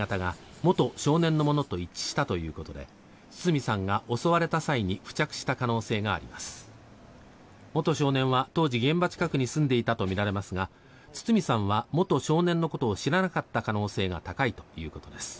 元少年は当時、現場近くに住んでいたとみられますが堤さんは元少年のことを知らなかった可能性が高いということです。